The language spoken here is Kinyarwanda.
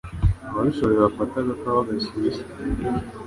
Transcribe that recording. ababishoboye bagafate agakawa gashyushye